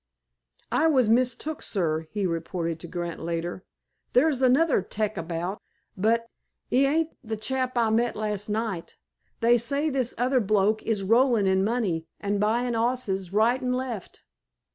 "I was mistook, sir," he reported to Grant later. "There's another 'tec about, but 'e ain't the chap I met last night. They say this other bloke is rollin' in money, an' buyin' hosses right an' left."